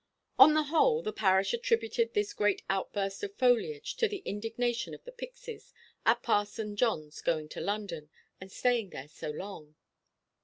On the whole, the parish attributed this great outburst of foliage to the indignation of the pixies at Parson Johnʼs going to London, and staying there so long.